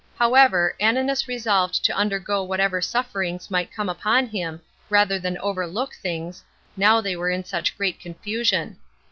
However, Ananus resolved to undergo whatever sufferings might come upon him, rather than overlook things, now they were in such great confusion.